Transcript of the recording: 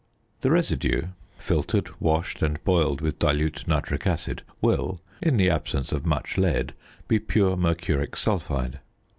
The residue, filtered, washed, and boiled with dilute nitric acid, will, in the absence of much lead, be pure mercuric sulphide.